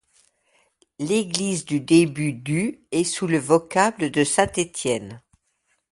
L'église du début du est sous le vocable de Saint-Étienne.